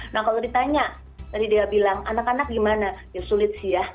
nah kalau ditanya tadi dea bilang anak anak gimana ya sulit sih ya